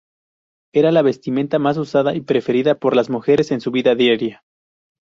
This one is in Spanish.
Era la vestimenta más usada y preferida por las mujeres en su vida diaria.